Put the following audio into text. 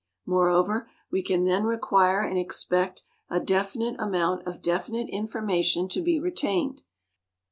Moreover we can then require and expect a definite amount of definite information to be retained.